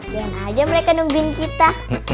jangan aja mereka nungguin kita